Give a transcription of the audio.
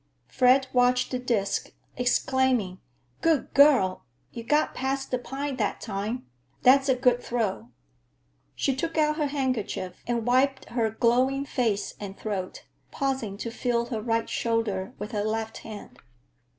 Fred watched the disk, exclaiming, "Good girl! You got past the pine that time. That's a good throw." She took out her handkerchief and wiped her glowing face and throat, pausing to feel her right shoulder with her left hand.